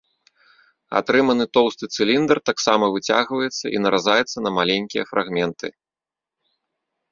Атрыманы тоўсты цыліндр таксама выцягваецца і наразаецца на маленькія фрагменты.